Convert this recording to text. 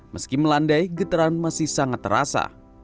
meski melandai getaran masih sangat terasa